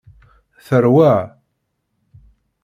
Teṛwa.